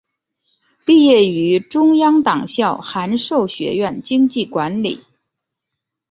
毕业于中央党校函授学院经济管理。